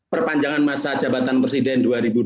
perpanjangan masa jabatan presiden dua ribu dua puluh